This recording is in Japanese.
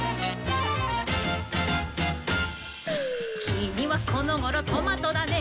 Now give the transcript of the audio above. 「きみはこのごろトマトだね」